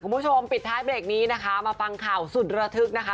คุณผู้ชมปิดท้ายเบรกนี้นะคะมาฟังข่าวสุดระทึกนะคะ